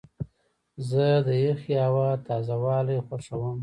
زه د یخې هوا تازه والی خوښوم.